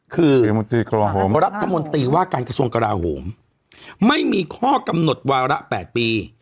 คือรัฐมนตรีว่าการกระทรวงกราโหมไม่มีข้อกำหนดวาระ๘ปี